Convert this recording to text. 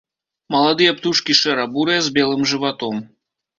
Маладыя птушкі шэра-бурыя з белым жыватом.